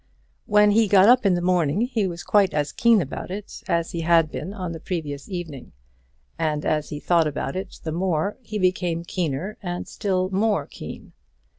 When he got up in the morning he was quite as keen about it as he had been on the previous evening; and as he thought about it the more, he became keener and still more keen.